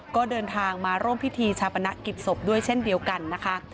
ก็เดินทางมาร่วมพิธีชาปนกิจศพด้วยเช่นเดียวกันนะคะ